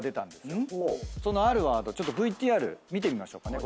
そのあるワードちょっとＶＴＲ見てみましょうかね。